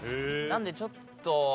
なのでちょっと。